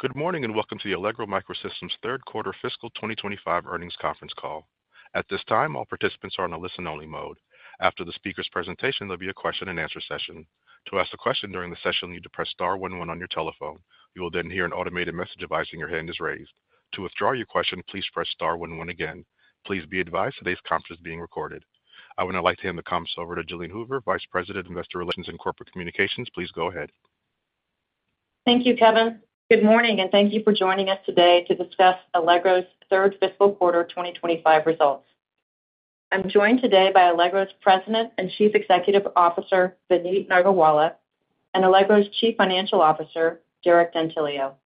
Good morning and welcome to the Allegro MicroSystems third quarter fiscal 2025 earnings conference call. At this time, all participants are on a listen-only mode. After the speaker's presentation, there'll be a question and answer session. To ask a question during the session, you need to press star one one on your telephone. You will then hear an automated message advising your hand is raised. To withdraw your question, please press star one one again. Please be advised today's conference is being recorded. I would now like to hand the conference over to Jalene Hoover, Vice President of Investor Relations and Corporate Communications. Please go ahead. Thank you, Kevin. Good morning and thank you for joining us today to discuss Allegro's third fiscal quarter 2025 results. I'm joined today by Allegro's President and Chief Executive Officer, Vineet Nargolwala, and Allegro's Chief Financial Officer, Derek D'Antilio.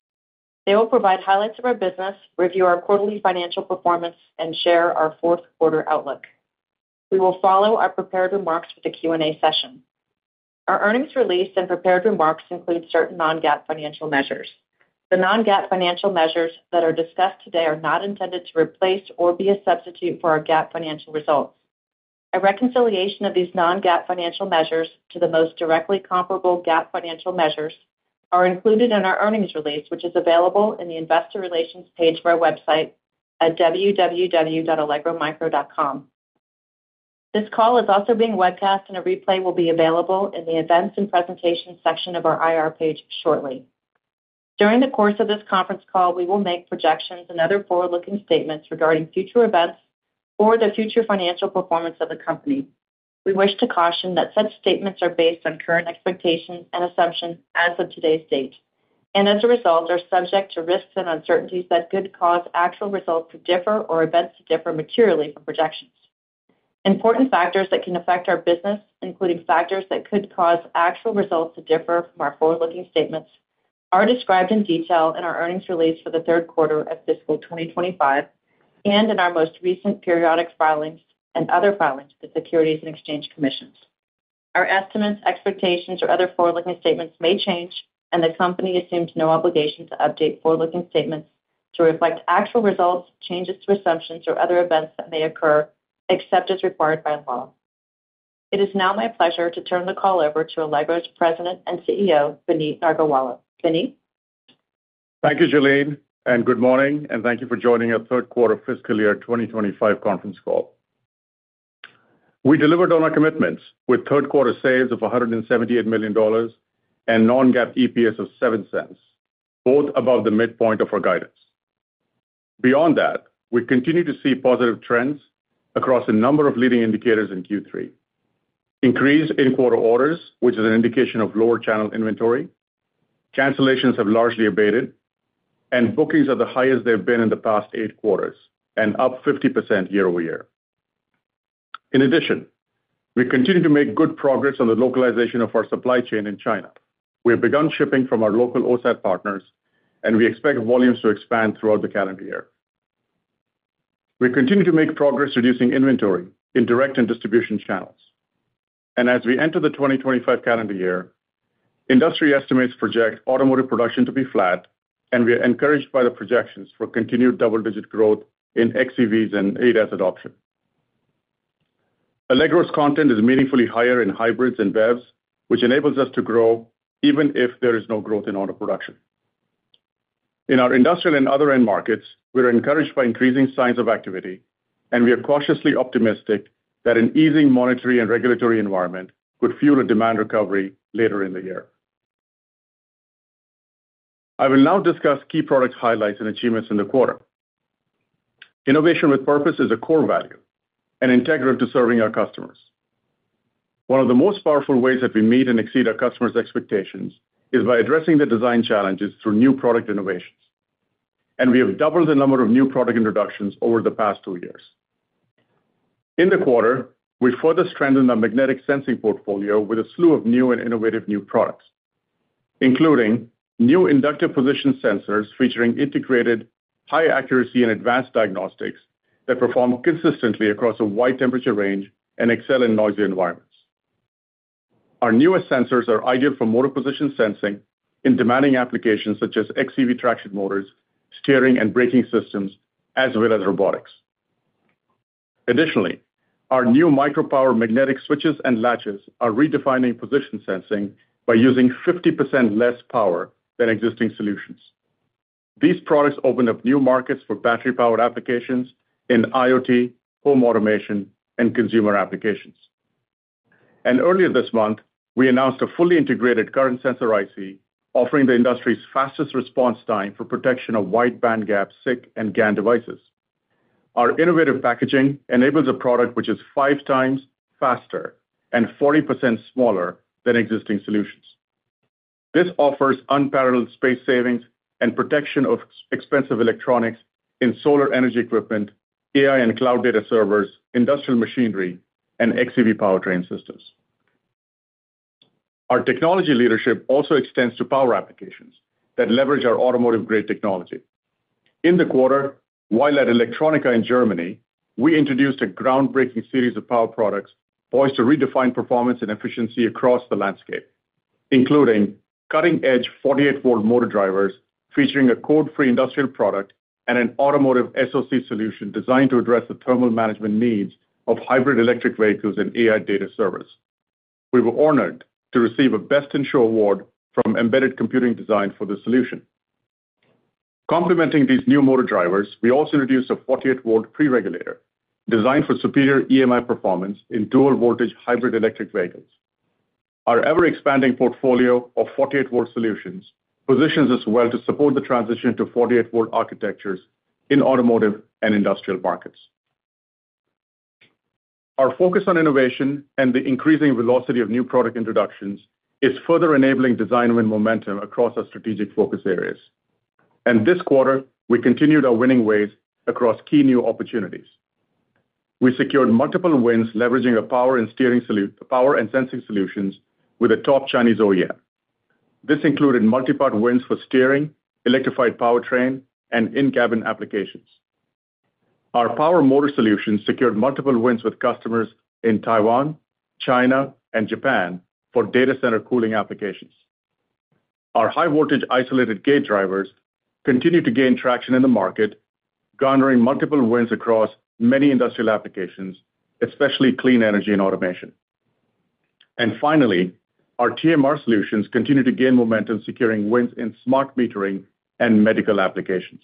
They will provide highlights of our business, review our quarterly financial performance, and share our fourth quarter outlook. We will follow our prepared remarks with a Q&A session. Our earnings release and prepared remarks include certain non-GAAP financial measures. The non-GAAP financial measures that are discussed today are not intended to replace or be a substitute for our GAAP financial results. A reconciliation of these non-GAAP financial measures to the most directly comparable GAAP financial measures is included in our earnings release, which is available in the Investor Relations page of our website at www.allegromicro.com. This call is also being webcast, and a replay will be available in the events and presentations section of our IR page shortly. During the course of this conference call, we will make projections and other forward-looking statements regarding future events or the future financial performance of the company. We wish to caution that such statements are based on current expectations and assumptions as of today's date, and as a result, are subject to risks and uncertainties that could cause actual results to differ or events to differ materially from projections. Important factors that can affect our business, including factors that could cause actual results to differ from our forward-looking statements, are described in detail in our earnings release for the third quarter of fiscal 2025 and in our most recent periodic filings and other filings to the Securities and Exchange Commission. Our estimates, expectations, or other forward-looking statements may change, and the company assumes no obligation to update forward-looking statements to reflect actual results, changes to assumptions, or other events that may occur except as required by law. It is now my pleasure to turn the call over to Allegro's President and CEO, Vineet Nargolwala. Vineet. Thank you, Jalene, and good morning, and thank you for joining our third quarter fiscal year 2025 conference call. We delivered on our commitments with third quarter sales of $178 million and non-GAAP EPS of $0.07, both above the midpoint of our guidance. Beyond that, we continue to see positive trends across a number of leading indicators in Q3: increase in quarter orders, which is an indication of lower channel inventory, cancellations have largely abated, and bookings are the highest they've been in the past eight quarters, and up 50% year-over-year. In addition, we continue to make good progress on the localization of our supply chain in China. We have begun shipping from our local OSAT partners, and we expect volumes to expand throughout the calendar year. We continue to make progress reducing inventory in direct and distribution channels. As we enter the 2025 calendar year, industry estimates project automotive production to be flat, and we are encouraged by the projections for continued double-digit growth in xEVs and ADAS adoption. Allegro's content is meaningfully higher in hybrids and BEVs, which enables us to grow even if there is no growth in auto production. In our industrial and other end markets, we are encouraged by increasing signs of activity, and we are cautiously optimistic that an easing monetary and regulatory environment could fuel a demand recovery later in the year. I will now discuss key product highlights and achievements in the quarter. Innovation with purpose is a core value and integral to serving our customers. One of the most powerful ways that we meet and exceed our customers' expectations is by addressing the design challenges through new product innovations, and we have doubled the number of new product introductions over the past two years. In the quarter, we further strengthened our magnetic sensing portfolio with a slew of new and innovative new products, including new inductive position sensors featuring integrated high-accuracy and advanced diagnostics that perform consistently across a wide temperature range and excel in noisy environments. Our newest sensors are ideal for motor position sensing in demanding applications such as xEV traction motors, steering and braking systems, as well as robotics. Additionally, our new micropower magnetic switches and latches are redefining position sensing by using 50% less power than existing solutions. These products open up new markets for battery-powered applications in IoT, home automation, and consumer applications. And earlier this month, we announced a fully integrated current sensor IC, offering the industry's fastest response time for protection of wide-bandgap SiC and GaN devices. Our innovative packaging enables a product which is five times faster and 40% smaller than existing solutions. This offers unparalleled space savings and protection of expensive electronics in solar energy equipment, AI and cloud data servers, industrial machinery, and xEV powertrain systems. Our technology leadership also extends to power applications that leverage our automotive-grade technology. In the quarter, while at Electronica in Germany, we introduced a groundbreaking series of power products poised to redefine performance and efficiency across the landscape, including cutting-edge 48-volt motor drivers featuring a code-free industrial product and an automotive SoC solution designed to address the thermal management needs of hybrid electric vehicles and AI data servers. We were honored to receive a Best in Show award from Embedded Computing Design for the solution. Complementing these new motor drivers, we also introduced a 48-volt pre-regulator designed for superior EMI performance in dual-voltage hybrid electric vehicles. Our ever-expanding portfolio of 48-volt solutions positions us well to support the transition to 48-volt architectures in automotive and industrial markets. Our focus on innovation and the increasing velocity of new product introductions is further enabling design win momentum across our strategic focus areas. And this quarter, we continued our winning ways across key new opportunities. We secured multiple wins leveraging our power and steering sensing solutions with a top Chinese OEM. This included multi-part wins for steering, electrified powertrain, and in-cabin applications. Our power motor solutions secured multiple wins with customers in Taiwan, China, and Japan for data center cooling applications. Our high-voltage isolated gate drivers continue to gain traction in the market, garnering multiple wins across many industrial applications, especially clean energy and automation. And finally, our TMR solutions continue to gain momentum, securing wins in smart metering and medical applications.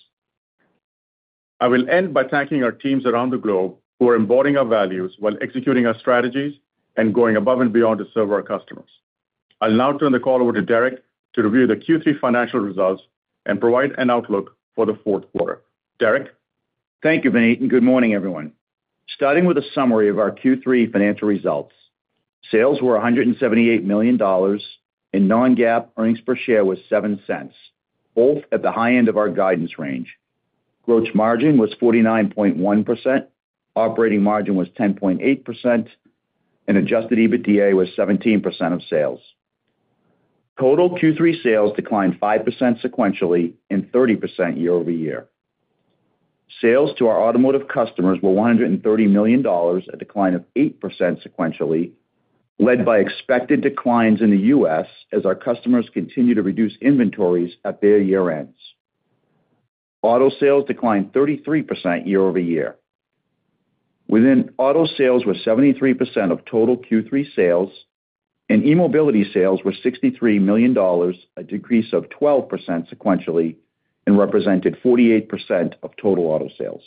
I will end by thanking our teams around the globe who are embodying our values while executing our strategies and going above and beyond to serve our customers. I'll now turn the call over to Derek to review the Q3 financial results and provide an outlook for the fourth quarter. Derek. Thank you, Vineet, and good morning, everyone. Starting with a summary of our Q3 financial results, sales were $178 million, and non-GAAP earnings per share was $0.07, both at the high end of our guidance range. Gross margin was 49.1%, operating margin was 10.8%, and adjusted EBITDA was 17% of sales. Total Q3 sales declined 5% sequentially and 30% year-over-year. Sales to our automotive customers were $130 million, a decline of 8% sequentially, led by expected declines in the US as our customers continue to reduce inventories at their year-ends. Auto sales declined 33% year-over-year. Within auto sales were 73% of total Q3 sales, and e-mobility sales were $63 million, a decrease of 12% sequentially, and represented 48% of total auto sales.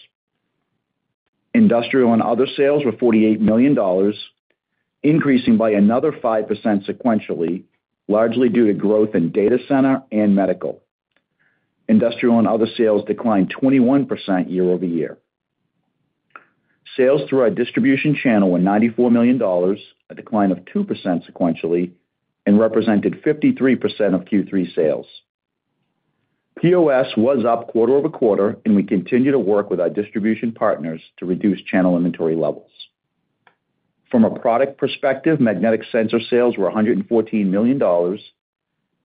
Industrial and other sales were $48 million, increasing by another 5% sequentially, largely due to growth in data center and medical. Industrial and other sales declined 21% year-over-year. Sales through our distribution channel were $94 million, a decline of 2% sequentially, and represented 53% of Q3 sales. POS was up quarter over quarter, and we continue to work with our distribution partners to reduce channel inventory levels. From a product perspective, magnetic sensor sales were $114 million,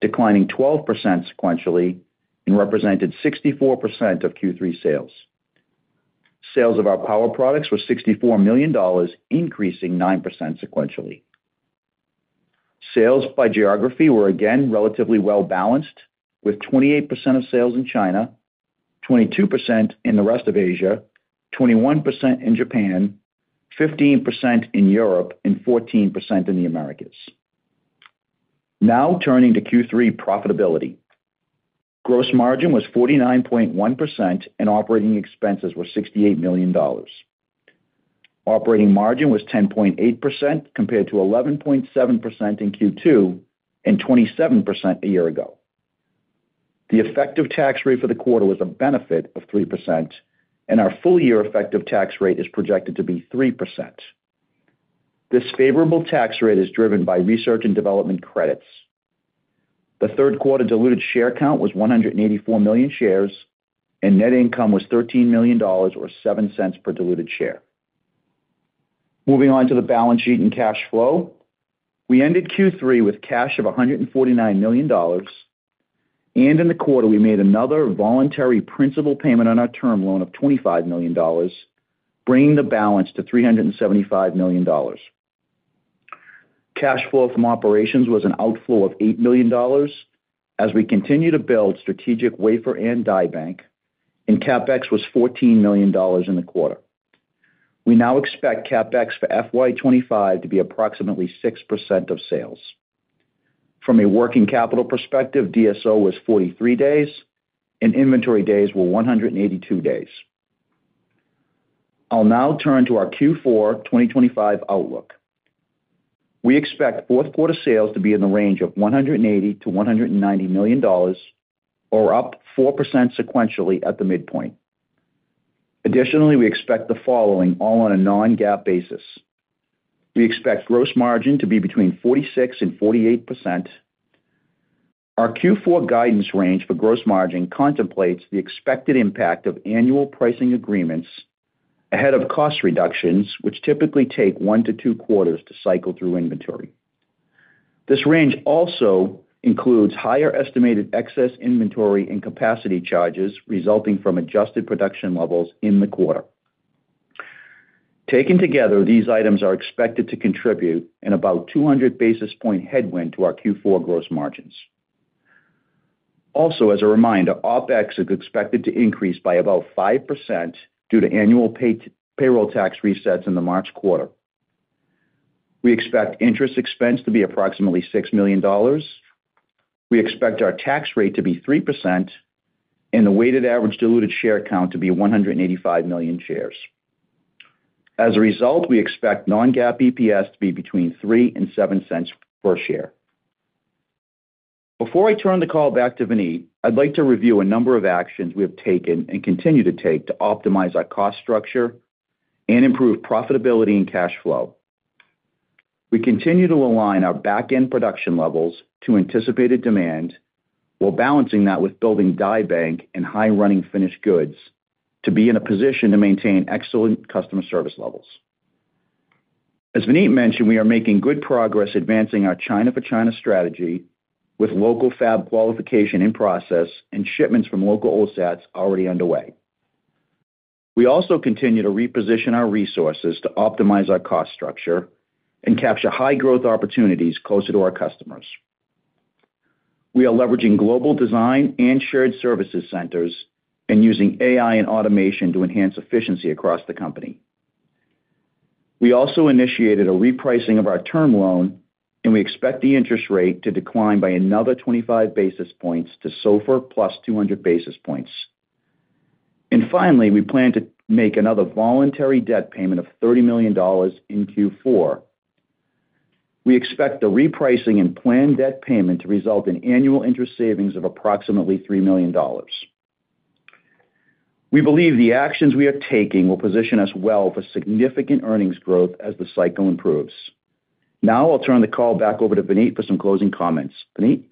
declining 12% sequentially, and represented 64% of Q3 sales. Sales of our power products were $64 million, increasing 9% sequentially. Sales by geography were again relatively well-balanced, with 28% of sales in China, 22% in the rest of Asia, 21% in Japan, 15% in Europe, and 14% in the Americas. Now turning to Q3 profitability. Gross margin was 49.1%, and operating expenses were $68 million. Operating margin was 10.8% compared to 11.7% in Q2 and 27% a year ago. The effective tax rate for the quarter was a benefit of 3%, and our full-year effective tax rate is projected to be 3%. This favorable tax rate is driven by research and development credits. The third quarter diluted share count was 184 million shares, and net income was $13 million, or $0.07 per diluted share. Moving on to the balance sheet and cash flow, we ended Q3 with cash of $149 million, and in the quarter, we made another voluntary principal payment on our term loan of $25 million, bringing the balance to $375 million. Cash flow from operations was an outflow of $8 million as we continue to build strategic wafer and die bank, and CapEx was $14 million in the quarter. We now expect CapEx for FY25 to be approximately 6% of sales. From a working capital perspective, DSO was 43 days, and inventory days were 182 days. I'll now turn to our Q4 2025 outlook. We expect fourth quarter sales to be in the range of $180-$190 million, or up 4% sequentially at the midpoint. Additionally, we expect the following all on a non-GAAP basis. We expect gross margin to be between 46% and 48%. Our Q4 guidance range for gross margin contemplates the expected impact of annual pricing agreements ahead of cost reductions, which typically take one to two quarters to cycle through inventory. This range also includes higher estimated excess inventory and capacity charges resulting from adjusted production levels in the quarter. Taken together, these items are expected to contribute about 200 basis points headwind to our Q4 gross margins. Also, as a reminder, OpEx is expected to increase by about 5% due to annual payroll tax resets in the March quarter. We expect interest expense to be approximately $6 million. We expect our tax rate to be 3%, and the weighted average diluted share count to be 185 million shares. As a result, we expect non-GAAP EPS to be between $0.03 and $0.07 per share. Before I turn the call back to Vineet, I'd like to review a number of actions we have taken and continue to take to optimize our cost structure and improve profitability and cash flow. We continue to align our back-end production levels to anticipated demand while balancing that with building die bank and high-running finished goods to be in a position to maintain excellent customer service levels. As Vineet mentioned, we are making good progress advancing our China for China strategy with local fab qualification in process and shipments from local OSATs already underway. We also continue to reposition our resources to optimize our cost structure and capture high-growth opportunities closer to our customers. We are leveraging global design and shared services centers and using AI and automation to enhance efficiency across the company. We also initiated a repricing of our term loan, and we expect the interest rate to decline by another 25 basis points to SOFR plus 200 basis points. And finally, we plan to make another voluntary debt payment of $30 million in Q4. We expect the repricing and planned debt payment to result in annual interest savings of approximately $3 million. We believe the actions we are taking will position us well for significant earnings growth as the cycle improves. Now I'll turn the call back over to Vineet for some closing comments. Vineet.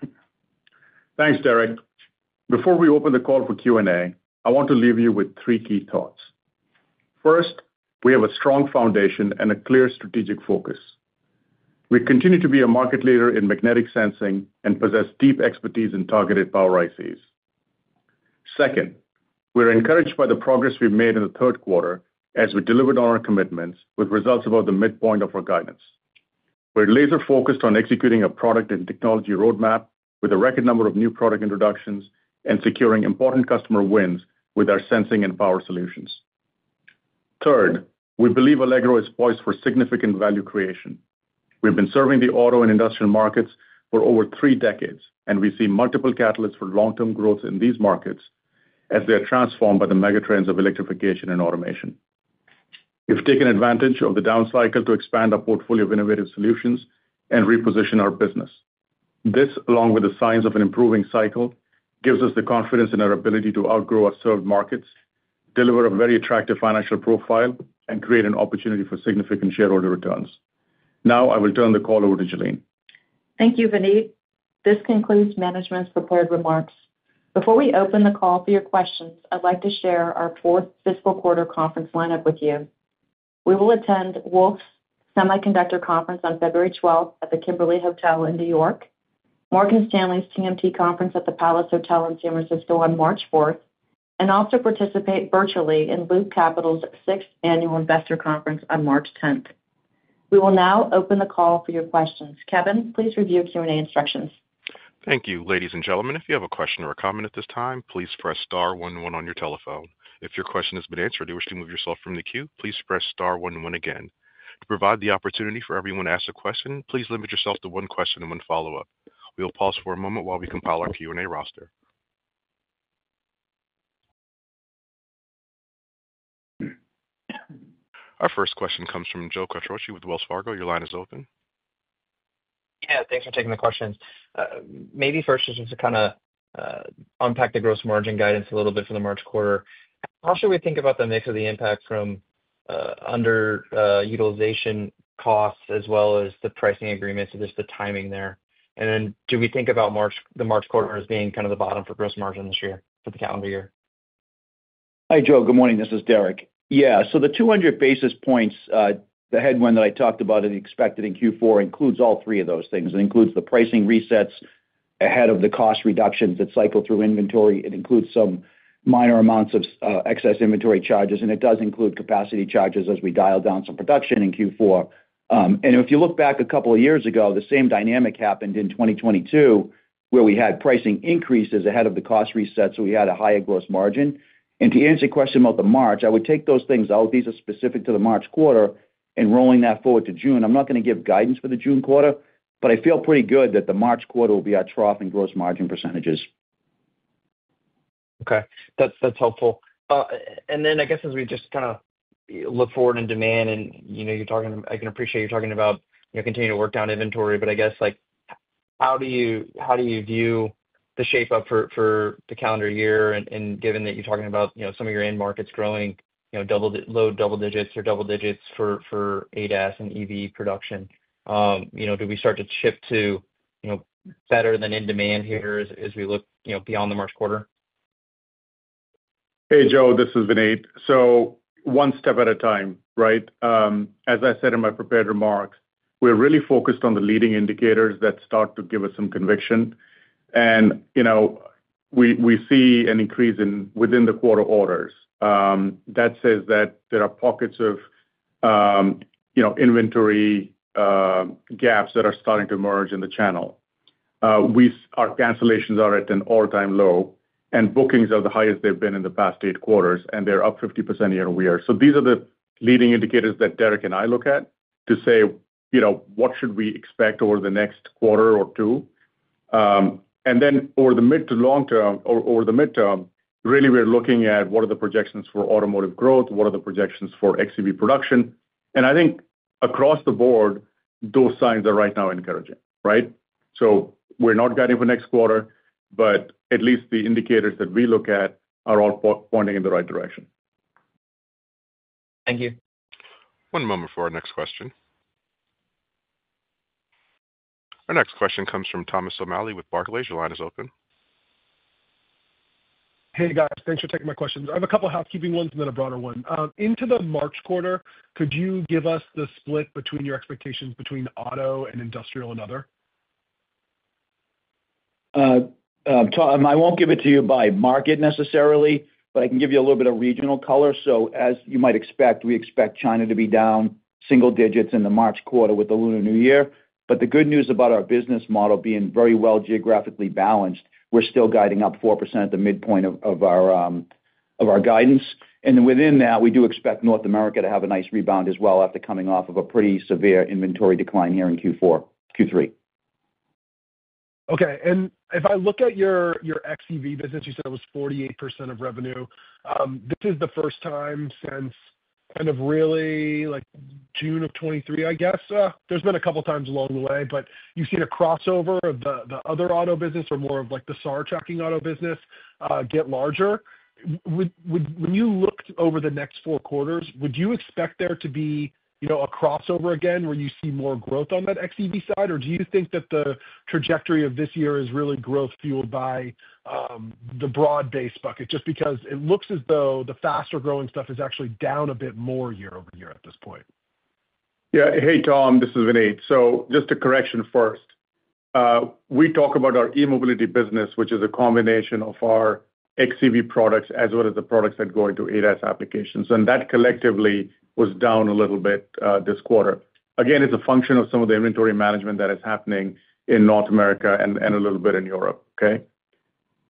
Thanks, Derek. Before we open the call for Q&A, I want to leave you with three key thoughts. First, we have a strong foundation and a clear strategic focus. We continue to be a market leader in magnetic sensing and possess deep expertise in targeted power ICs. Second, we're encouraged by the progress we've made in the third quarter as we delivered on our commitments with results about the midpoint of our guidance. We're laser-focused on executing a product and technology roadmap with a record number of new product introductions and securing important customer wins with our sensing and power solutions. Third, we believe Allegro is poised for significant value creation. We've been serving the auto and industrial markets for over three decades, and we see multiple catalysts for long-term growth in these markets as they are transformed by the megatrends of electrification and automation. We've taken advantage of the down cycle to expand our portfolio of innovative solutions and reposition our business. This, along with the signs of an improving cycle, gives us the confidence in our ability to outgrow our served markets, deliver a very attractive financial profile, and create an opportunity for significant shareholder returns. Now I will turn the call over to Jalene. Thank you, Vineet. This concludes management's prepared remarks. Before we open the call for your questions, I'd like to share our fourth fiscal quarter conference lineup with you. We will attend Wolfe's Semiconductor Conference on February 12th at the Kimberly Hotel in New York, Morgan Stanley's TMT Conference at the Palace Hotel in San Francisco on March 4th, and also participate virtually in Loop Capital's sixth annual investor conference on March 10th. We will now open the call for your questions. Kevin, please review Q&A instructions. Thank you. Ladies and gentlemen, if you have a question or a comment at this time, please press star one one on your telephone. If your question has been answered or you wish to move yourself from the queue, please press star one one again. To provide the opportunity for everyone to ask a question, please limit yourself to one question and one follow-up. We will pause for a moment while we compile our Q&A roster. Our first question comes from Joe Quatrochi with Wells Fargo. Your line is open. Yeah, thanks for taking the questions. Maybe first, just to kind of unpack the gross margin guidance a little bit for the March quarter. How should we think about the mix of the impact from underutilization costs as well as the pricing agreements? Just the timing there. And then do we think about the March quarter as being kind of the bottom for gross margin this year for the calendar year? Hi, Joe. Good morning. This is Derek. Yeah, so the 200 basis points, the headwind that I talked about in the expected in Q4 includes all three of those things. It includes the pricing resets ahead of the cost reductions that cycle through inventory. It includes some minor amounts of excess inventory charges, and it does include capacity charges as we dial down some production in Q4. And if you look back a couple of years ago, the same dynamic happened in 2022, where we had pricing increases ahead of the cost resets, so we had a higher gross margin. And to answer your question about the March, I would take those things out. These are specific to the March quarter, and rolling that forward to June, I'm not going to give guidance for the June quarter, but I feel pretty good that the March quarter will be our trough in gross margin percentages. Okay. That's helpful. And then I guess as we just kind of look forward in demand, and I can appreciate you're talking about continuing to work down inventory, but I guess how do you view the shape up for the calendar year? And given that you're talking about some of your end markets growing low double digits or double digits for ADAS and EV production, do we start to shift to better than in demand here as we look beyond the March quarter? Hey, Joe, this is Vineet. So one step at a time, right? As I said in my prepared remarks, we're really focused on the leading indicators that start to give us some conviction. And we see an increase within the quarter orders. That says that there are pockets of inventory gaps that are starting to emerge in the channel. Our cancellations are at an all-time low, and bookings are the highest they've been in the past eight quarters, and they're up 50% year-over-year. So these are the leading indicators that Derek and I look at to say, "What should we expect over the next quarter or two?" And then over the mid to long term, or over the midterm, really we're looking at what are the projections for automotive growth, what are the projections for xEV production. And I think across the board, those signs are right now encouraging, right? So we're not guiding for next quarter, but at least the indicators that we look at are all pointing in the right direction. Thank you. One moment for our next question. Our next question comes from Thomas O'Malley with Barclays. Your line is open. Hey, guys. Thanks for taking my questions. I have a couple of housekeeping ones and then a broader one. Into the March quarter, could you give us the split between your expectations between auto and industrial and other? I won't give it to you by market necessarily, but I can give you a little bit of regional color. So as you might expect, we expect China to be down single digits in the March quarter with the Lunar New Year. But the good news about our business model being very well geographically balanced, we're still guiding up 4% at the midpoint of our guidance. And within that, we do expect North America to have a nice rebound as well after coming off of a pretty severe inventory decline here in Q4, Q3. Okay. And if I look at your xEV business, you said it was 48% of revenue. This is the first time since kind of really June of 2023, I guess. There's been a couple of times along the way, but you've seen a crossover of the other auto business or more of the SAR tracking auto business get larger. When you looked over the next four quarters, would you expect there to be a crossover again where you see more growth on that xEV side, or do you think that the trajectory of this year is really growth fueled by the broad-based bucket just because it looks as though the faster growing stuff is actually down a bit more year-over-year at this point? Yeah. Hey, Tom, this is Vineet. So just a correction first. We talk about our e-mobility business, which is a combination of our xEV products as well as the products that go into ADAS applications. And that collectively was down a little bit this quarter. Again, it's a function of some of the inventory management that is happening in North America and a little bit in Europe, okay?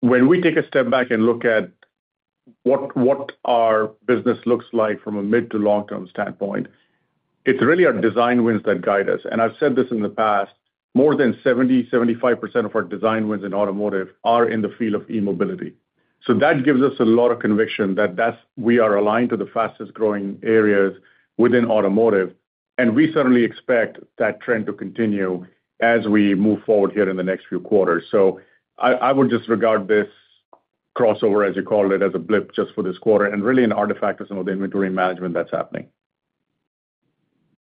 When we take a step back and look at what our business looks like from a mid to long-term standpoint, it's really our design wins that guide us. And I've said this in the past, more than 70%-75% of our design wins in automotive are in the field of e-mobility. So that gives us a lot of conviction that we are aligned to the fastest growing areas within automotive. And we certainly expect that trend to continue as we move forward here in the next few quarters. So I would just regard this crossover, as you called it, as a blip just for this quarter and really an artifact of some of the inventory management that's happening.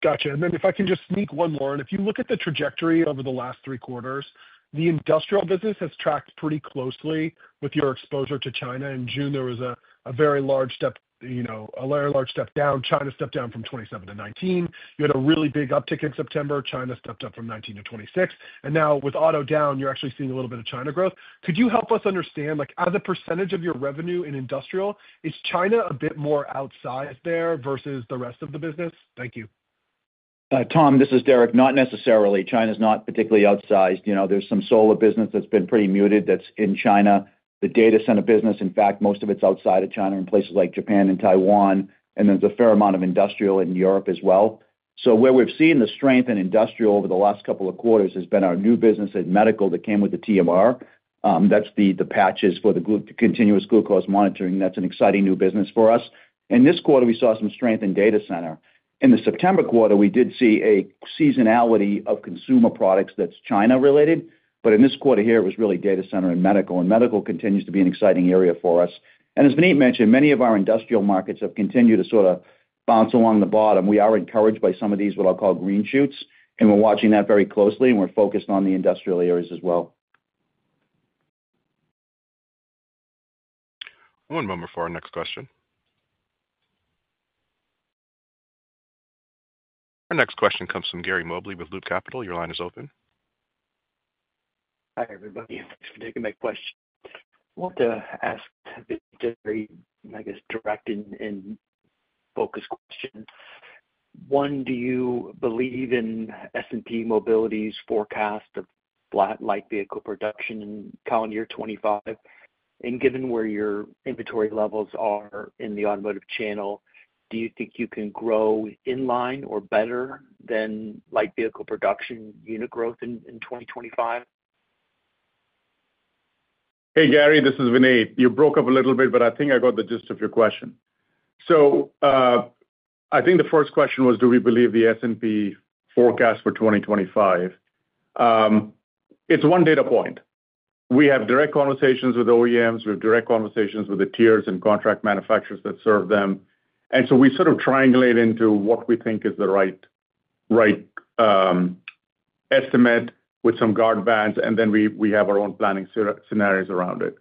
Gotcha. And then if I can just sneak one more, and if you look at the trajectory over the last three quarters, the industrial business has tracked pretty closely with your exposure to China. In June, there was a very large step, a very large step down. China stepped down from 27 to 19. You had a really big uptick in September. China stepped up from 19 to 26. And now with auto down, you're actually seeing a little bit of China growth. Could you help us understand, as a percentage of your revenue in industrial, is China a bit more outsized there versus the rest of the business? Thank you. Tom, this is Derek. Not necessarily. China's not particularly outsized. There's some solar business that's been pretty muted that's in China. The data center business, in fact, most of it's outside of China in places like Japan and Taiwan. And there's a fair amount of industrial in Europe as well. So where we've seen the strength in industrial over the last couple of quarters has been our new business in medical that came with the TMR. That's the patches for the continuous glucose monitoring. That's an exciting new business for us. In this quarter, we saw some strength in data center. In the September quarter, we did see a seasonality of consumer products that's China-related. But in this quarter here, it was really data center and medical. And medical continues to be an exciting area for us. As Vineet mentioned, many of our industrial markets have continued to sort of bounce along the bottom. We are encouraged by some of these what I'll call green shoots. We're watching that very closely. We're focused on the industrial areas as well. One moment for our next question. Our next question comes from Gary Mobley with Loop Capital. Your line is open. Hi, everybody. Thanks for taking my question. I want to ask a very, I guess, direct and focused question. One, do you believe in S&P Global Mobility's forecast of light vehicle production in calendar year 2025? And given where your inventory levels are in the automotive channel, do you think you can grow in line or better than light vehicle production unit growth in 2025? Hey, Gary, this is Vineet. You broke up a little bit, but I think I got the gist of your question. So I think the first question was, do we believe the S&P forecast for 2025? It's one data point. We have direct conversations with OEMs. We have direct conversations with the tiers and contract manufacturers that serve them. And so we sort of triangulate into what we think is the right estimate with some guard bands, and then we have our own planning scenarios around it.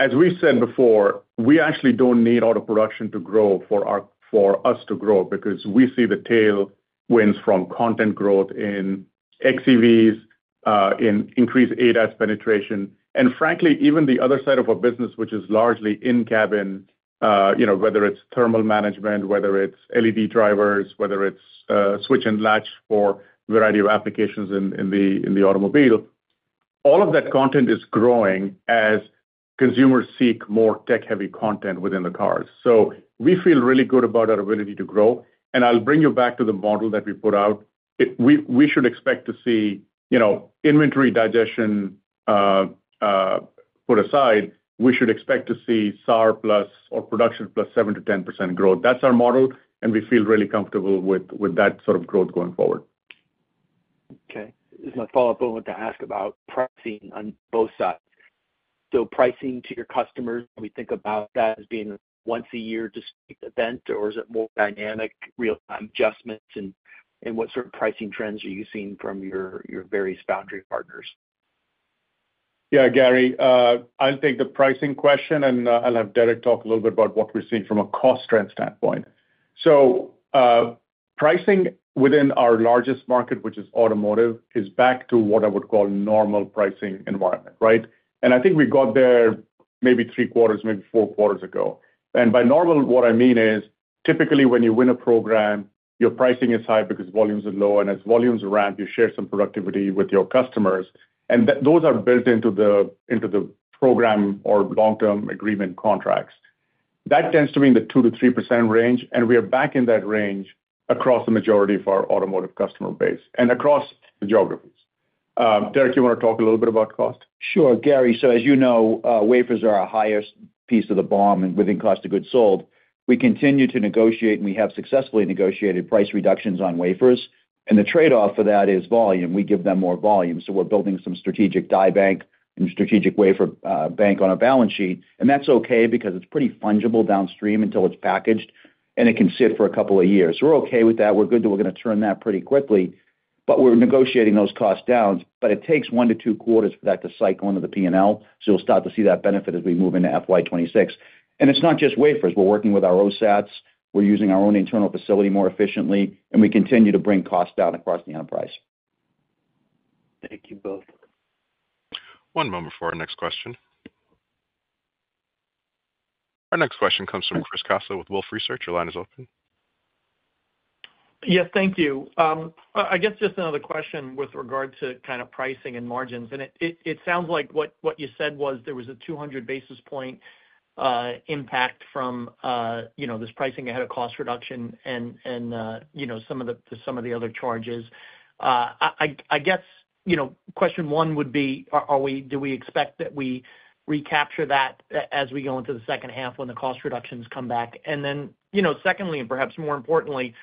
As we've said before, we actually don't need auto production to grow for us to grow because we see the tailwinds from content growth in xEVs, in increased ADAS penetration. And frankly, even the other side of our business, which is largely in-cabin, whether it's thermal management, whether it's LED drivers, whether it's switch and latch for a variety of applications in the automobile, all of that content is growing as consumers seek more tech-heavy content within the cars. So we feel really good about our ability to grow. And I'll bring you back to the model that we put out. We should expect to see inventory digestion put aside. We should expect to see SAR plus or production plus 7%-10% growth. That's our model. And we feel really comfortable with that sort of growth going forward. Okay. This is my follow-up. I wanted to ask about pricing on both sides. So pricing to your customers, we think about that as being once-a-year distinct event, or is it more dynamic, real-time adjustments? And what sort of pricing trends are you seeing from your various foundry partners? Yeah, Gary, I'll take the pricing question, and I'll have Derek talk a little bit about what we're seeing from a cost-strength standpoint. So pricing within our largest market, which is automotive, is back to what I would call normal pricing environment, right? And I think we got there maybe three quarters, maybe four quarters ago. And by normal, what I mean is typically when you win a program, your pricing is high because volumes are low. And as volumes ramp, you share some productivity with your customers. And those are built into the program or long-term agreement contracts. That tends to be in the 2%-3% range. And we are back in that range across the majority of our automotive customer base and across the geographies. Derek, you want to talk a little bit about cost? Sure. Gary, so as you know, wafers are our highest piece of the BOM within cost of goods sold. We continue to negotiate, and we have successfully negotiated price reductions on wafers. And the trade-off for that is volume. We give them more volume. So we're building some strategic die bank and strategic wafer bank on our balance sheet. And that's okay because it's pretty fungible downstream until it's packaged, and it can sit for a couple of years. We're okay with that. We're good that we're going to turn that pretty quickly. But we're negotiating those costs down. But it takes one to two quarters for that to cycle into the P&L. So you'll start to see that benefit as we move into FY26. And it's not just wafers. We're working with our OSATs. We're using our own internal facility more efficiently. We continue to bring costs down across the enterprise. Thank you both. One moment for our next question. Our next question comes from Chris Caso with Wolfe Research. Your line is open. Yes, thank you. I guess just another question with regard to kind of pricing and margins. And it sounds like what you said was there was a 200 basis points impact from this pricing ahead of cost reduction and some of the other charges. I guess question one would be, do we expect that we recapture that as we go into the second half when the cost reductions come back? And then secondly, and perhaps more importantly,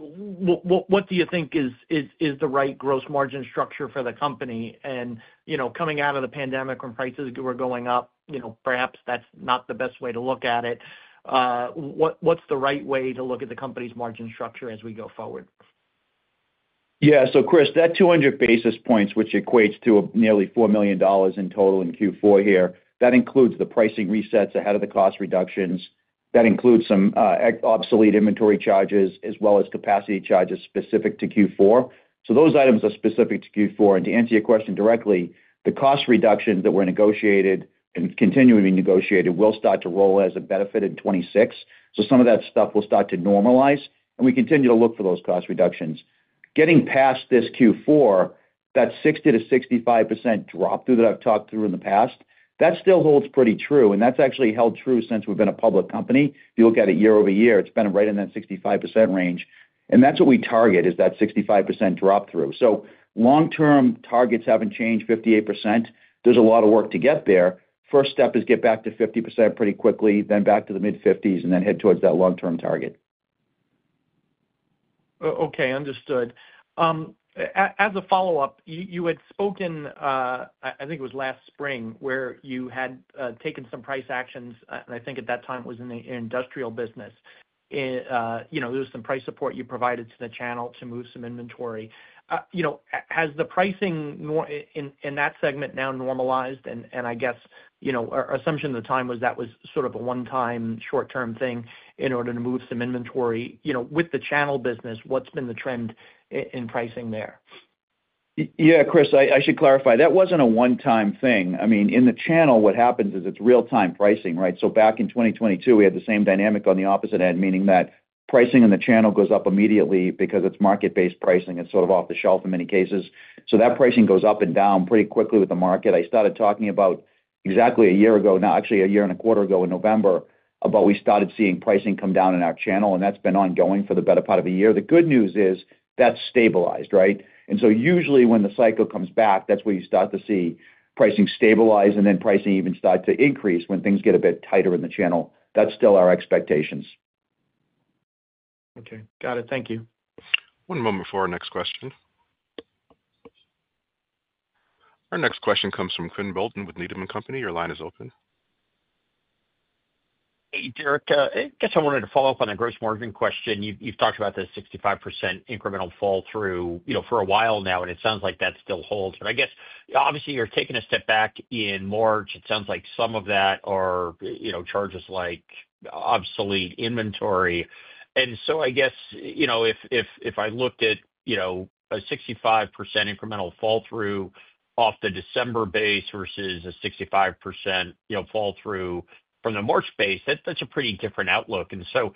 what do you think is the right gross margin structure for the company? And coming out of the pandemic when prices were going up, perhaps that's not the best way to look at it. What's the right way to look at the company's margin structure as we go forward? Yeah. So Chris, that 200 basis points, which equates to nearly $4 million in total in Q4 here, that includes the pricing resets ahead of the cost reductions. That includes some obsolete inventory charges as well as capacity charges specific to Q4. So those items are specific to Q4. And to answer your question directly, the cost reductions that were negotiated and continuing to be negotiated will start to roll as a benefit in 2026. So some of that stuff will start to normalize. And we continue to look for those cost reductions. Getting past this Q4, that 60%-65% drop through that I've talked through in the past, that still holds pretty true. And that's actually held true since we've been a public company. If you look at it year-over-year, it's been right in that 65% range. And that's what we target, is that 65% drop through. So long-term targets haven't changed 58%. There's a lot of work to get there. First step is get back to 50% pretty quickly, then back to the mid-50s, and then head towards that long-term target. Okay. Understood. As a follow-up, you had spoken, I think it was last spring, where you had taken some price actions. And I think at that time it was in the industrial business. There was some price support you provided to the channel to move some inventory. Has the pricing in that segment now normalized? And I guess our assumption at the time was that was sort of a one-time short-term thing in order to move some inventory. With the channel business, what's been the trend in pricing there? Yeah, Chris, I should clarify. That wasn't a one-time thing. I mean, in the channel, what happens is it's real-time pricing, right? So back in 2022, we had the same dynamic on the opposite end, meaning that pricing in the channel goes up immediately because it's market-based pricing. It's sort of off the shelf in many cases. So that pricing goes up and down pretty quickly with the market. I started talking about exactly a year ago now, actually a year and a quarter ago in November, about we started seeing pricing come down in our channel. And that's been ongoing for the better part of a year. The good news is that's stabilized, right? And so usually when the cycle comes back, that's where you start to see pricing stabilize and then pricing even start to increase when things get a bit tighter in the channel. That's still our expectations. Okay. Got it. Thank you. One moment for our next question. Our next question comes from Quinn Bolton with Needham & Company. Your line is open. Hey, Derek. I guess I wanted to follow up on a gross margin question. You've talked about the 65% incremental fall through for a while now, and it sounds like that still holds. But I guess, obviously, you're taking a step back in March. It sounds like some of that are charges like obsolete inventory. And so I guess if I looked at a 65% incremental fall through off the December base versus a 65% fall through from the March base, that's a pretty different outlook. And so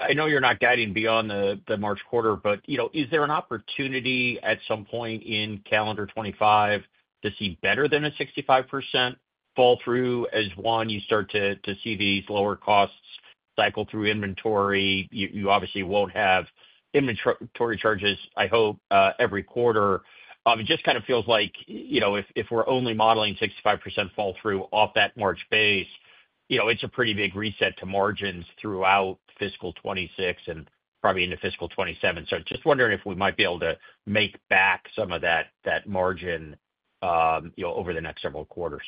I know you're not guiding beyond the March quarter, but is there an opportunity at some point in calendar 2025 to see better than a 65% fall through as, one, you start to see these lower costs cycle through inventory? You obviously won't have inventory charges, I hope, every quarter. It just kind of feels like if we're only modeling 65% fall through off that March base, it's a pretty big reset to margins throughout fiscal 2026 and probably into fiscal 2027. So just wondering if we might be able to make back some of that margin over the next several quarters?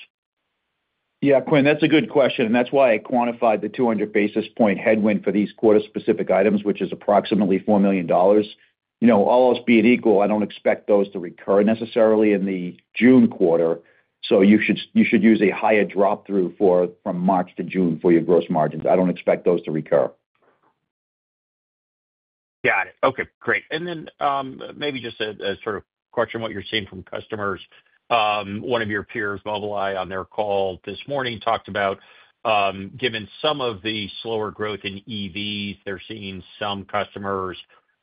Yeah, Quinn, that's a good question. And that's why I quantified the 200 basis point headwind for these quarter-specific items, which is approximately $4 million. All else being equal, I don't expect those to recur necessarily in the June quarter. So you should use a higher drop through from March to June for your gross margins. I don't expect those to recur. Got it. Okay. Great. And then maybe just a sort of question on what you're seeing from customers. One of your peers, Mobileye, on their call this morning talked about, given some of the slower growth in EVs, they're seeing some customers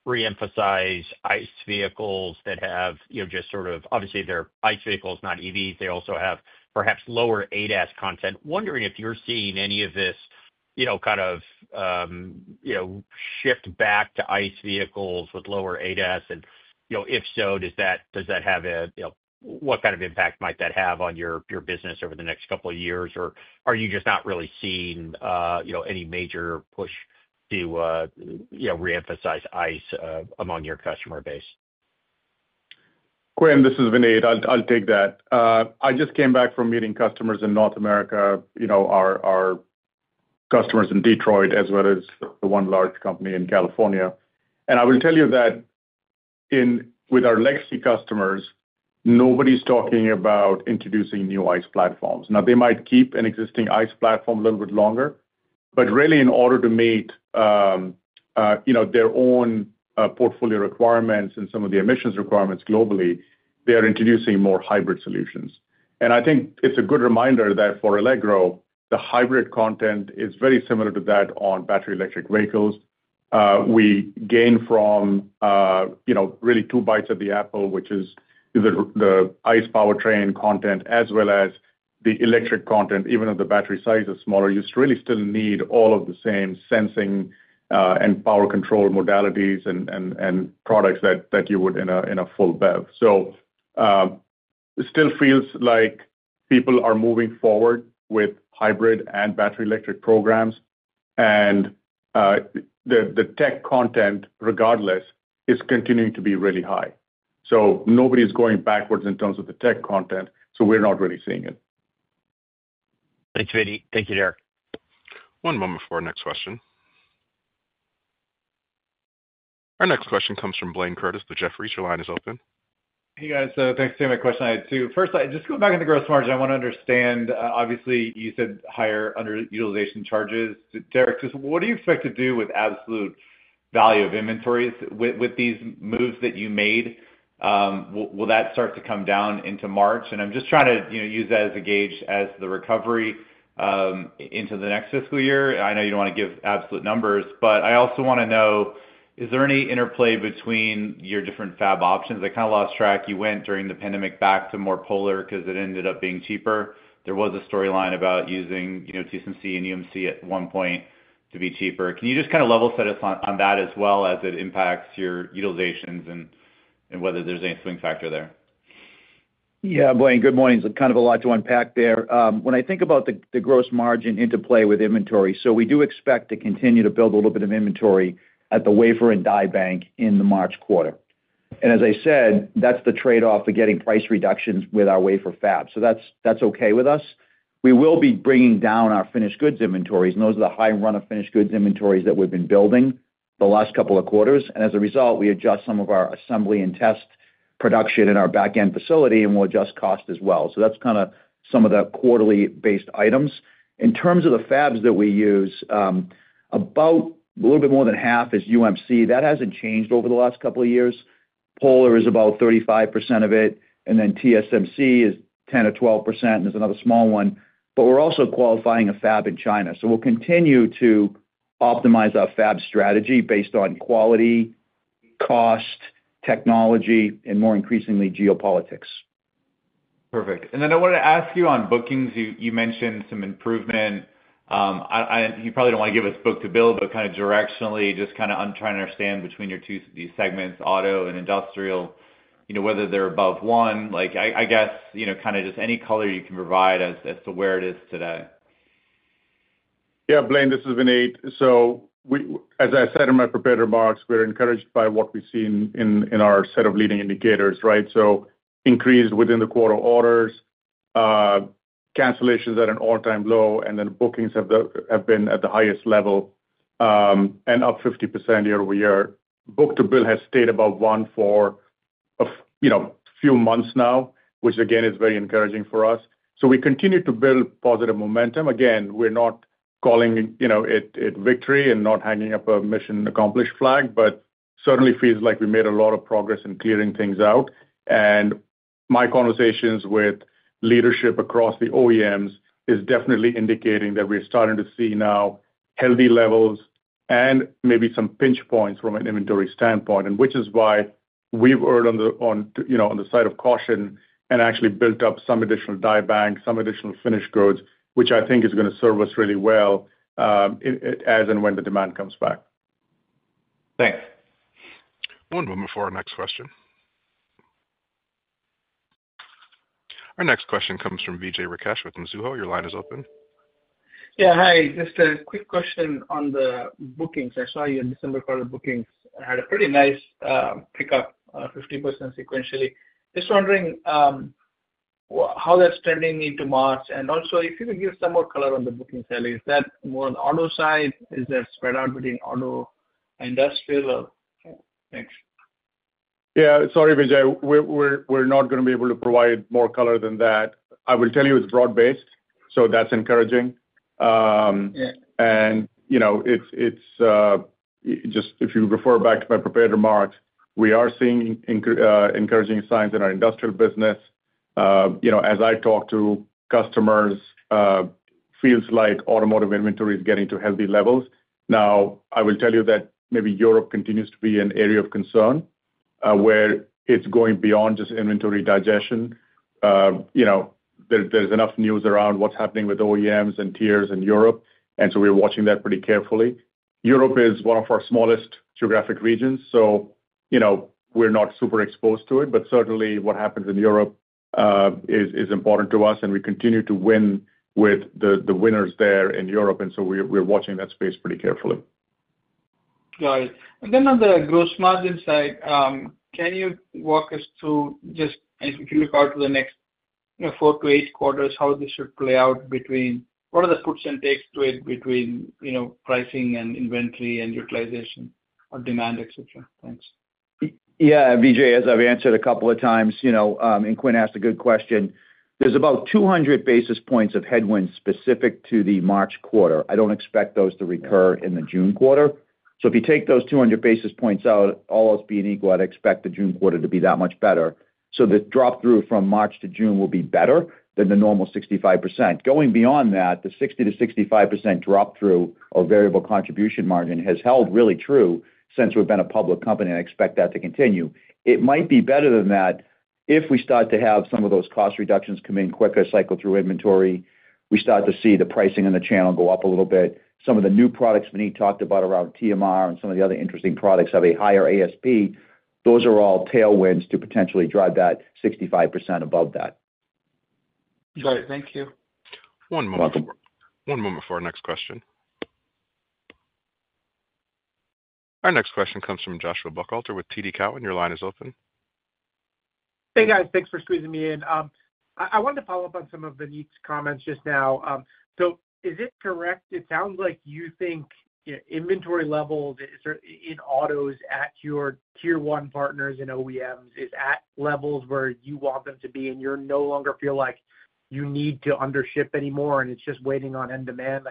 reemphasize ICE vehicles that have just sort of obviously, they're ICE vehicles, not EVs. They also have perhaps lower ADAS content. Wondering if you're seeing any of this kind of shift back to ICE vehicles with lower ADAS. And if so, does that have, what kind of impact might that have on your business over the next couple of years? Or are you just not really seeing any major push to reemphasize ICE among your customer base? Quinn, this is Vineet. I'll take that. I just came back from meeting customers in North America, our customers in Detroit, as well as the one large company in California. And I will tell you that with our legacy customers, nobody's talking about introducing new ICE platforms. Now, they might keep an existing ICE platform a little bit longer. But really, in order to meet their own portfolio requirements and some of the emissions requirements globally, they are introducing more hybrid solutions. And I think it's a good reminder that for Allegro, the hybrid content is very similar to that on battery electric vehicles. We gain from really two bites of the apple, which is the ICE powertrain content, as well as the electric content, even though the battery size is smaller. You really still need all of the same sensing and power control modalities and products that you would in a full BEV. So it still feels like people are moving forward with hybrid and battery electric programs. And the tech content, regardless, is continuing to be really high. So nobody's going backwards in terms of the tech content. So we're not really seeing it. Thanks, Vineet. Thank you, Derek. One moment for our next question. Our next question comes from Blayne Curtis. The Jefferies line is open. Hey, guys. Thanks for taking my question. I had two. First, just going back into gross margin, I want to understand. Obviously, you said higher under-utilization charges. Derek, just what do you expect to do with absolute value of inventories with these moves that you made? Will that start to come down into March? And I'm just trying to use that as a gauge as the recovery into the next fiscal year. I know you don't want to give absolute numbers. But I also want to know, is there any interplay between your different fab options? I kind of lost track. You went during the pandemic back to more Polar because it ended up being cheaper. There was a storyline about using TSMC and UMC at one point to be cheaper. Can you just kind of level set us on that as well as it impacts your utilizations and whether there's any swing factor there? Yeah. Blaine, good morning. It's kind of a lot to unpack there. When I think about the gross margin interplay with inventory, so we do expect to continue to build a little bit of inventory at the wafer and die bank in the March quarter. And as I said, that's the trade-off for getting price reductions with our wafer fab. So that's okay with us. We will be bringing down our finished goods inventories. And those are the high run of finished goods inventories that we've been building the last couple of quarters. And as a result, we adjust some of our assembly and test production in our backend facility, and we'll adjust cost as well. So that's kind of some of the quarterly-based items. In terms of the fabs that we use, about a little bit more than half is UMC. That hasn't changed over the last couple of years. Polar is about 35% of it, and then TSMC is 10%-12%, and there's another small one. But we're also qualifying a fab in China, so we'll continue to optimize our fab strategy based on quality, cost, technology, and more increasingly geopolitics. Perfect. And then I wanted to ask you on bookings. You mentioned some improvement. You probably don't want to give us book-to-bill, but kind of directionally, just kind of I'm trying to understand between your two segments, auto and industrial, whether they're above one. I guess kind of just any color you can provide as to where it is today. Yeah. Blaine, this is Vineet. So as I said in my prepared remarks, we're encouraged by what we see in our set of leading indicators, right? So increased within the quarter orders, cancellations at an all-time low, and then bookings have been at the highest level and up 50% year-over-year. Book-to-bill has stayed above one for a few months now, which again is very encouraging for us. So we continue to build positive momentum. Again, we're not calling it victory and not hanging up a mission accomplished flag, but certainly feels like we made a lot of progress in clearing things out. My conversations with leadership across the OEMs is definitely indicating that we're starting to see now healthy levels and maybe some pinch points from an inventory standpoint, which is why we've erred on the side of caution and actually built up some additional die bank, some additional finished goods, which I think is going to serve us really well as and when the demand comes back. Thanks. One moment for our next question. Our next question comes from Vijay Rakesh with Mizuho. Your line is open. Yeah. Hi. Just a quick question on the bookings. I saw your December quarter bookings. It had a pretty nice pickup, 50% sequentially. Just wondering how that's trending into March. And also, if you could give some more color on the bookings, is that more on the auto side? Is that spread out between auto and industrial? Thanks. Yeah. Sorry, Vijay. We're not going to be able to provide more color than that. I will tell you it's broad-based, so that's encouraging, and just if you refer back to my prepared remarks, we are seeing encouraging signs in our industrial business. As I talk to customers, it feels like automotive inventory is getting to healthy levels. Now, I will tell you that maybe Europe continues to be an area of concern where it's going beyond just inventory digestion. There's enough news around what's happening with OEMs and tiers in Europe, and so we're watching that pretty carefully. Europe is one of our smallest geographic regions, so we're not super exposed to it, but certainly, what happens in Europe is important to us, and we continue to win with the winners there in Europe, and so we're watching that space pretty carefully. Got it. And then on the gross margin side, can you walk us through just if you look out to the next four to eight quarters, how this should play out between what are the puts and takes to it between pricing and inventory and utilization of demand, etc.? Thanks. Yeah. Vijay, as I've answered a couple of times, and Quinn asked a good question. There's about 200 basis points of headwinds specific to the March quarter. I don't expect those to recur in the June quarter. So if you take those 200 basis points out, all else being equal, I'd expect the June quarter to be that much better. So the drop through from March to June will be better than the normal 65%. Going beyond that, the 60%-65% drop through or variable contribution margin has held really true since we've been a public company and expect that to continue. It might be better than that if we start to have some of those cost reductions come in quicker, cycle through inventory. We start to see the pricing in the channel go up a little bit. Some of the new products Vineet talked about around TMR and some of the other interesting products have a higher ASP. Those are all tailwinds to potentially drive that 65% above that. Got it. Thank you. One moment for our next question. Our next question comes from Joshua Buchalter with TD Cowen. Your line is open. Hey, guys. Thanks for squeezing me in. I wanted to follow up on some of Vineet's comments just now. So is it correct? It sounds like you think inventory levels in autos at your tier one partners and OEMs is at levels where you want them to be, and you no longer feel like you need to undership anymore, and it's just waiting on end demand.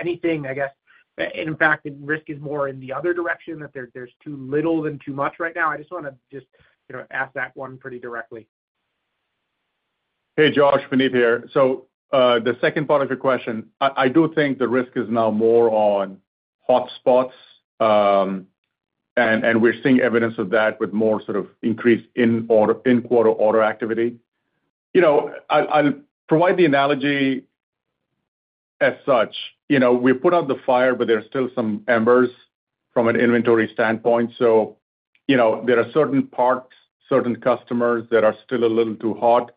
Anything, I guess. And in fact, the risk is more in the other direction, that there's too little than too much right now. I just want to just ask that one pretty directly. Hey, Josh. Vineet here, so the second part of your question, I do think the risk is now more on hotspots, and we're seeing evidence of that with more sort of increased in-quarter auto activity. I'll provide the analogy as such. We put out the fire, but there are still some embers from an inventory standpoint, so there are certain parts, certain customers that are still a little too hot,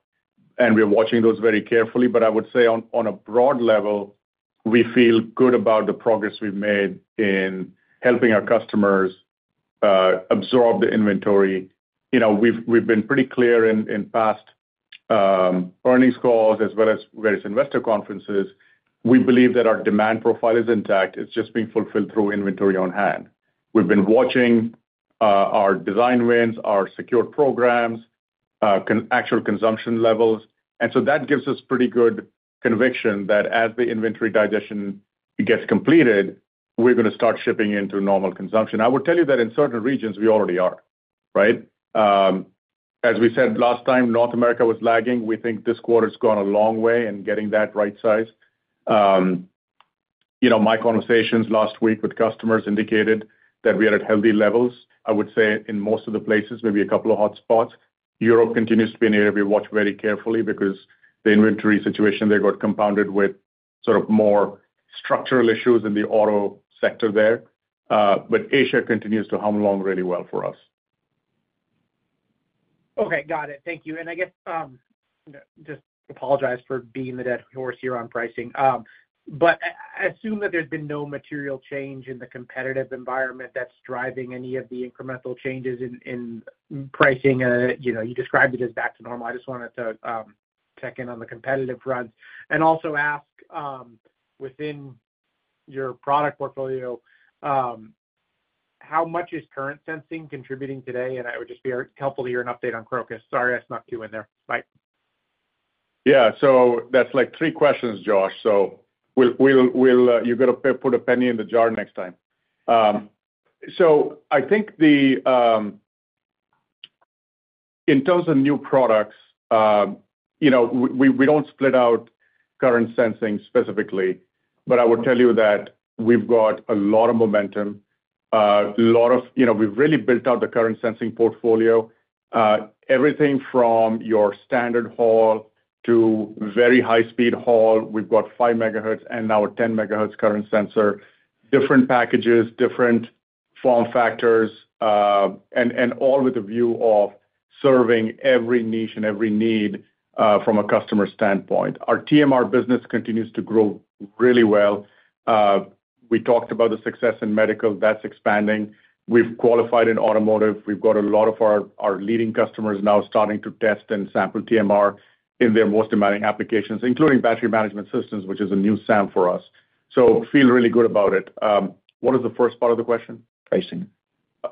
and we're watching those very carefully, but I would say on a broad level, we feel good about the progress we've made in helping our customers absorb the inventory. We've been pretty clear in past earnings calls as well as various investor conferences. We believe that our demand profile is intact. It's just being fulfilled through inventory on hand. We've been watching our design wins, our secured programs, actual consumption levels. And so that gives us pretty good conviction that as the inventory digestion gets completed, we're going to start shipping into normal consumption. I would tell you that in certain regions, we already are, right? As we said last time, North America was lagging. We think this quarter's gone a long way in getting that right size. My conversations last week with customers indicated that we are at healthy levels, I would say, in most of the places, maybe a couple of hotspots. Europe continues to be an area we watch very carefully because the inventory situation there got compounded with sort of more structural issues in the auto sector there. But Asia continues to hum along really well for us. Okay. Got it. Thank you. And I guess just apologize for beating the dead horse here on pricing. But I assume that there's been no material change in the competitive environment that's driving any of the incremental changes in pricing. You described it as back to normal. I just wanted to check in on the competitive front. And also ask within your product portfolio, how much is current sensing contributing today? And it would just be helpful to hear an update on Crocus. Sorry, I snuck you in there. Bye. Yeah. So that's like three questions, Josh. So you're going to put a penny in the jar next time. So I think in terms of new products, we don't split out current sensing specifically. But I would tell you that we've got a lot of momentum. A lot of we've really built out the current sensing portfolio. Everything from your standard Hall to very high-speed Hall, we've got five megahertz and now a 10 megahertz current sensor, different packages, different form factors, and all with a view of serving every niche and every need from a customer standpoint. Our TMR business continues to grow really well. We talked about the success in medical. That's expanding. We've qualified in automotive. We've got a lot of our leading customers now starting to test and sample TMR in their most demanding applications, including battery management systems, which is a new SAM for us. So feel really good about it. What was the first part of the question? Pricing.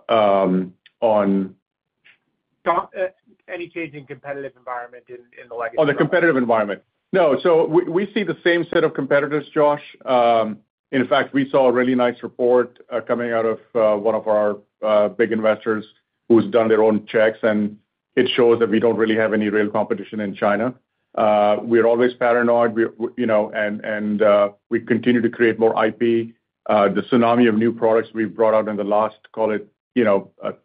On. Any change in competitive environment in the legacy? Oh, the competitive environment. No. We see the same set of competitors, Josh. In fact, we saw a really nice report coming out of one of our big investors who's done their own checks, and it shows that we don't really have any real competition in China. We're always paranoid, and we continue to create more IP. The tsunami of new products we've brought out in the last, call it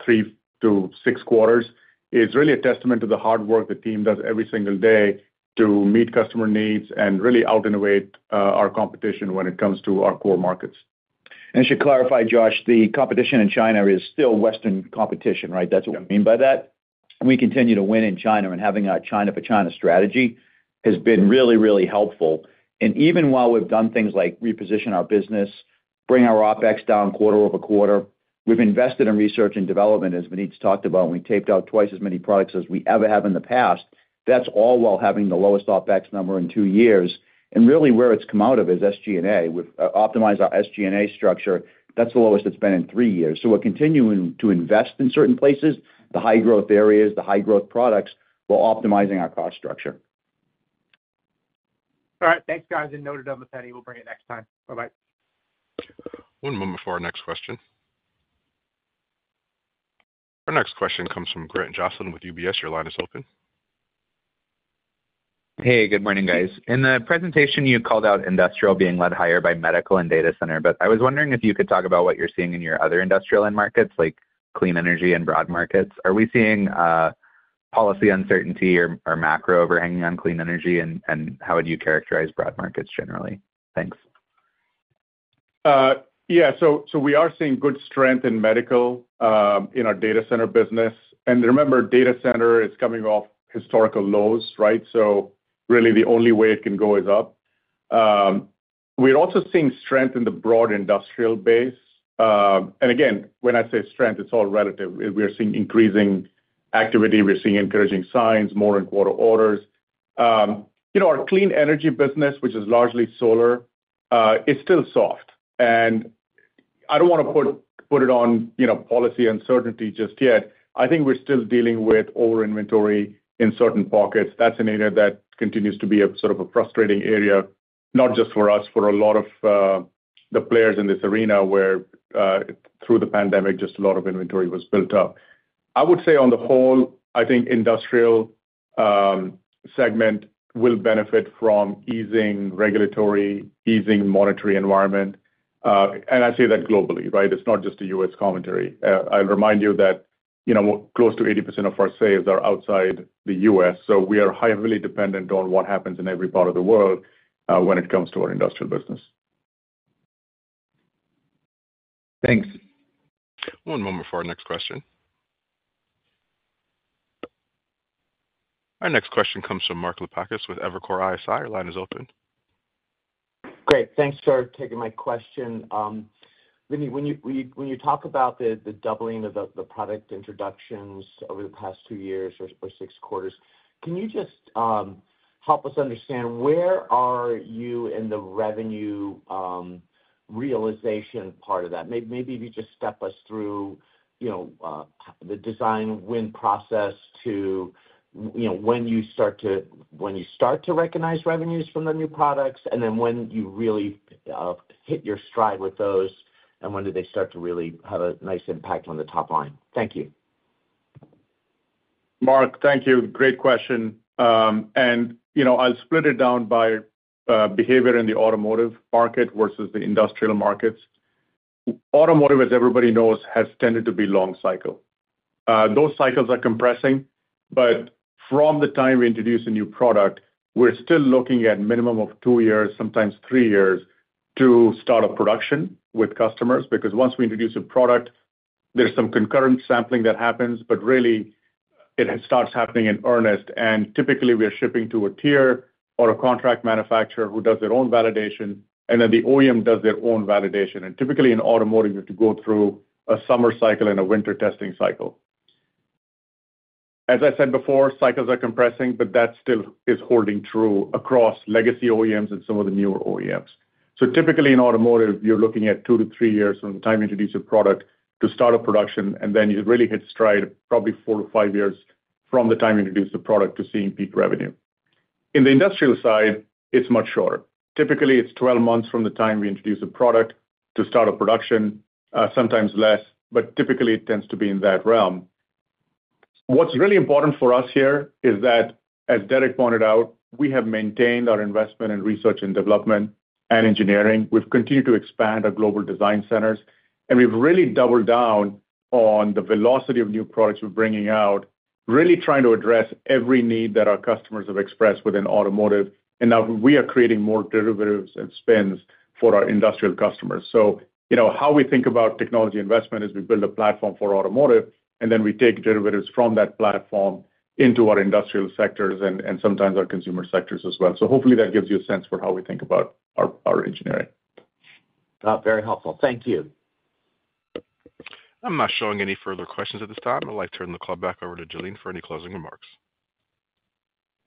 three to six quarters, is really a testament to the hard work the team does every single day to meet customer needs and really out-innovate our competition when it comes to our core markets. I should clarify, Josh, the competition in China is still Western competition, right? That's what we mean by that. We continue to win in China, and having a China for China strategy has been really, really helpful. Even while we've done things like reposition our business, bring our OpEx down quarter over quarter, we've invested in research and development, as Vineet's talked about, and we taped out twice as many products as we ever have in the past. That's all while having the lowest OpEx number in two years. Really, where it's come out of is SG&A. We've optimized our SG&A structure. That's the lowest it's been in three years. We're continuing to invest in certain places, the high-growth areas, the high-growth products, while optimizing our cost structure. All right. Thanks, guys. And noted on the penny. We'll bring it next time. Bye-bye. One moment for our next question. Our next question comes from Grant Joslin with UBS. Your line is open. Hey, good morning, guys. In the presentation, you called out industrial being led higher by medical and data center, but I was wondering if you could talk about what you're seeing in your other industrial end markets, like clean energy and broad markets. Are we seeing policy uncertainty or macro overhanging on clean energy, and how would you characterize broad markets generally? Thanks. Yeah. So we are seeing good strength in medical in our data center business. And remember, data center is coming off historical lows, right? So really, the only way it can go is up. We're also seeing strength in the broad industrial base. And again, when I say strength, it's all relative. We are seeing increasing activity. We're seeing encouraging signs, more in quarter orders. Our clean energy business, which is largely solar, is still soft. And I don't want to put it on policy uncertainty just yet. I think we're still dealing with over-inventory in certain pockets. That's an area that continues to be sort of a frustrating area, not just for us, for a lot of the players in this arena where, through the pandemic, just a lot of inventory was built up. I would say, on the whole, I think the industrial segment will benefit from easing regulatory, easing monetary environment, and I say that globally, right? It's not just a U.S. commentary. I'll remind you that close to 80% of our sales are outside the U.S., so we are heavily dependent on what happens in every part of the world when it comes to our industrial business. Thanks. One moment for our next question. Our next question comes from Mark Lipacis with Evercore ISI. Your line is open. Great. Thanks for taking my question. Vineet, when you talk about the doubling of the product introductions over the past two years or six quarters, can you just help us understand where are you in the revenue realization part of that? Maybe if you just step us through the design win process to when you start to recognize revenues from the new products, and then when you really hit your stride with those, and when do they start to really have a nice impact on the top line? Thank you. Mark, thank you. Great question, and I'll split it down by behavior in the automotive market versus the industrial markets. Automotive, as everybody knows, has tended to be long cycle. Those cycles are compressing, but from the time we introduce a new product, we're still looking at a minimum of two years, sometimes three years, to start a production with customers. Because once we introduce a product, there's some concurrent sampling that happens, but really, it starts happening in earnest, and typically, we are shipping to a tier or a contract manufacturer who does their own validation, and then the OEM does their own validation, and typically, in automotive, you have to go through a summer cycle and a winter testing cycle. As I said before, cycles are compressing, but that still is holding true across legacy OEMs and some of the newer OEMs. Typically, in automotive, you're looking at two to three years from the time you introduce a product to start a production, and then you really hit stride probably four to five years from the time you introduce a product to seeing peak revenue. In the industrial side, it's much shorter. Typically, it's 12 months from the time we introduce a product to start a production, sometimes less, but typically, it tends to be in that realm. What's really important for us here is that, as Derek pointed out, we have maintained our investment in research and development and engineering. We've continued to expand our global design centers, and we've really doubled down on the velocity of new products we're bringing out, really trying to address every need that our customers have expressed within automotive. Now we are creating more derivatives and spins for our industrial customers. So how we think about technology investment is we build a platform for automotive, and then we take derivatives from that platform into our industrial sectors and sometimes our consumer sectors as well. So hopefully, that gives you a sense for how we think about our engineering. Very helpful. Thank you. I'm not showing any further questions at this time. I'd like to turn the call back over to Jalene for any closing remarks.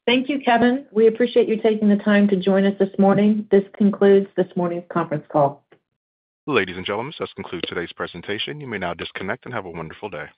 Thank you, Kevin. We appreciate you taking the time to join us this morning. This concludes this morning's conference call. Ladies and gentlemen, so this concludes today's presentation. You may now disconnect and have a wonderful day.